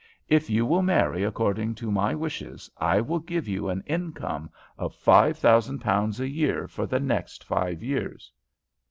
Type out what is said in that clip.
If you will marry according to my wishes I will give you an income of five thousand pounds a year for the next five years."